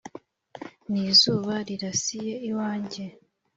Ni zuba rirasiye iwanjye,